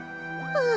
ああ。